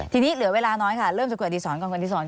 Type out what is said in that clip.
ทีนี้เหลือเวลาน้อยค่ะเริ่มจะกดอาทิสรก่อน